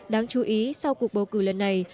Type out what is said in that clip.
đáng chú ý sau cuộc bầu cử lần này